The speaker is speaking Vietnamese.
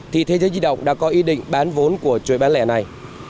thì thế giới di động đã có ý định bán vốn của chuỗi bán lẻ này